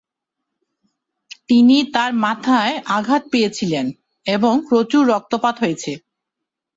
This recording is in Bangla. তিনি তার মাথায় আঘাত পেয়েছিলেন এবং প্রচুর রক্তপাত হয়েছে।